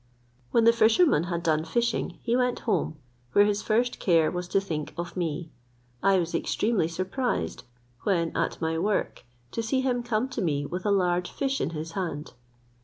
When the fisherman had done fishing, he went home, where his first care was to think of me. I was extremely surprised, when at my work, to see him come to me with a large fish in his hand.